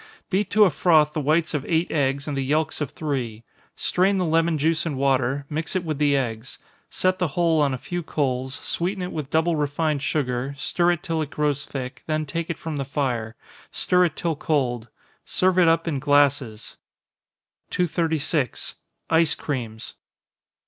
Beat to a froth the whites of eight eggs, and the yelks of three strain the lemon juice and water, mix it with the eggs set the whole on a few coals, sweeten it with double refined sugar, stir it till it grows thick, then take it from the fire, stir it till cold serve it up in glasses. 236. _Ice Creams.